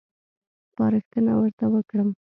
سپارښتنه ورته وکړم.